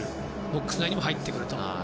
ボックス内にも入ってくると。